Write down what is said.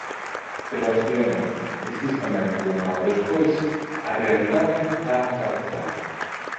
Pero abstivémonos e xustamente un ano despois a realidade dános a razón.